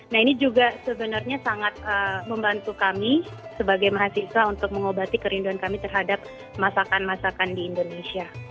nah ini juga sebenarnya sangat membantu kami sebagai mahasiswa untuk mengobati kerinduan kami terhadap masakan masakan di indonesia